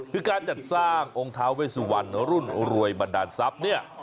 เพื่อการจัดสร้างองค์ทาเวสวรรณรุ่นรวยบันดาลศัพท์